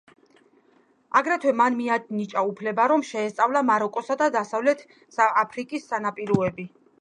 აგრეთვე მან მიანიჭა უფლება, რომ შეესწავლა მაროკოსა და დასავლეთ აფრიკის სანაპიროები.